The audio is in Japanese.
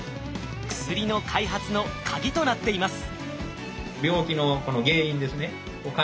薬の開発のカギとなっています。